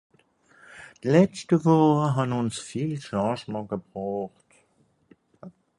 D’letschte Wùche hàn ùns viel Changement gebroocht.